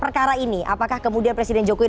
perkara ini apakah kemudian presiden jokowi